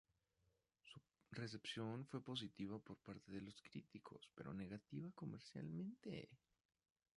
Su recepción fue positiva por parte de los críticos, pero negativa comercialmente.